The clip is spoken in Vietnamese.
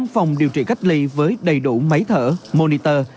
một mươi năm phòng điều trị cách ly với đầy đủ máy thở monitor